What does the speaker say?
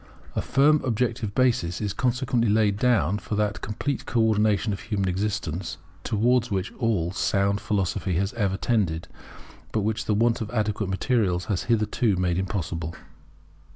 A firm objective basis is consequently laid down for that complete co ordination of human existence towards which all sound Philosophy has ever tended, but which the want of adequate materials has hitherto made impossible.